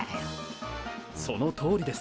そのとおりです。